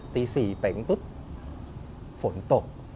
ตี๔เป๋งปุ๊บฝนตก